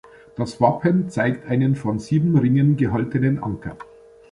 Das Wappen zeigt einen von sieben Ringen gehaltenen Anker.